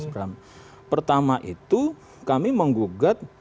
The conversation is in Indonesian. pertama itu kami menggugat setelah kami menggugat